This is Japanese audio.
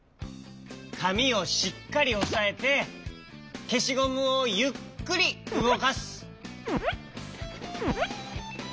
かみをしっかりおさえてけしゴムをゆっくりうごかす。